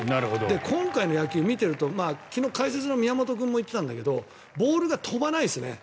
今回の野球を見ていると昨日、解説の宮本君も言っていたんだけどボールが飛ばないですね。